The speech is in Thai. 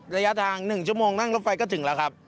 ระยะทาง๑ชั่วโมงนั่งรถไฟก็ถึงแล้วครับ